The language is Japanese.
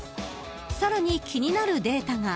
［さらに気になるデータが］